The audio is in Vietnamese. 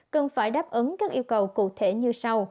cần phải đáp ứng các yêu cầu cụ thể như sau